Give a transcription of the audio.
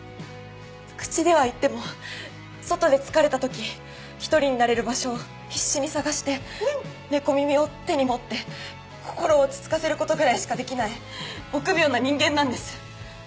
口では言っても外で疲れた時１人になれる場所を必死に探して猫耳を手に持って心を落ち着かせる事ぐらいしかできない臆病な人間なんです。